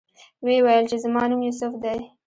ویې ویل چې زما نوم یوسف دی.